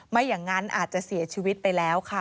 ไม่อย่างนั้นอาจจะเสียชีวิตไปแล้วค่ะ